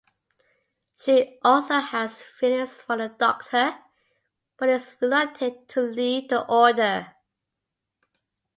She also has feelings for the doctor but is reluctant to leave the order.